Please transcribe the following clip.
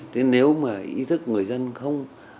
thế nếu mà ý thức người dân không